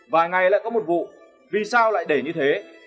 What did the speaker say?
vài ngày lại có một vụ vì sao lại để như thế